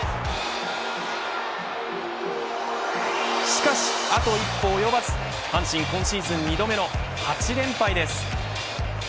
しかし、あと一歩及ばず阪神、今シーズン２度目の８連敗です。